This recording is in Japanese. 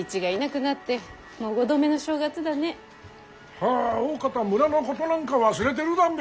はぁおおかた村のことなんか忘れてるだんべ。